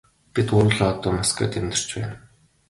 Бид гурвуулаа одоо Москвад амьдарч байна.